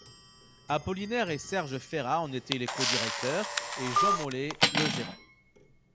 Apollinaire et Serge Férat en étaient les codirecteurs, et Jean Mollet le gérant.